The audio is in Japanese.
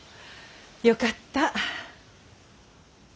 よかった。